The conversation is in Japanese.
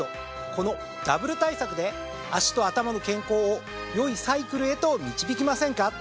このダブル対策で脚と頭の健康を良いサイクルへと導きませんか？